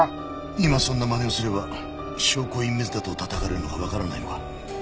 今そんなまねをすれば証拠隠滅だとたたかれるのがわからないのか？